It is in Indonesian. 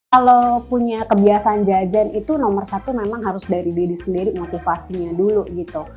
kalau punya kebiasaan jajan itu nomor satu memang harus dari diri sendiri motivasinya dulu gitu